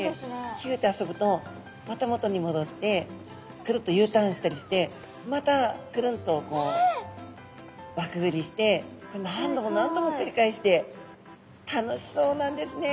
ひゅと遊ぶとまた元にもどってくるっとＵターンしたりしてまたくるんと輪くぐりして何度も何度もくりかえして楽しそうなんですね。